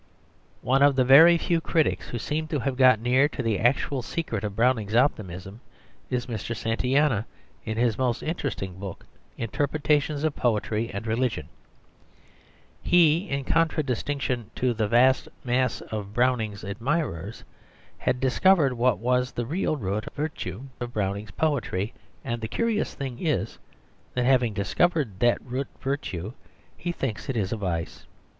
One of the very few critics who seem to have got near to the actual secret of Browning's optimism is Mr. Santayana in his most interesting book Interpretations of Poetry and Religion. He, in contradistinction to the vast mass of Browning's admirers, had discovered what was the real root virtue of Browning's poetry; and the curious thing is, that having discovered that root virtue, he thinks it is a vice.